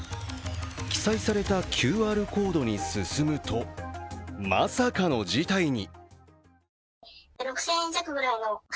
記載されたＱＲコードに進むとまさかの事態に。